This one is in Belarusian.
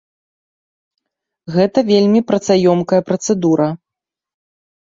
Гэта вельмі працаёмкая працэдура.